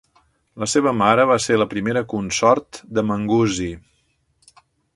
La seva mare va ser la primera consort de Manggusi.